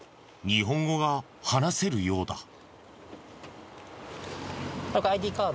日本語が話せるようだ。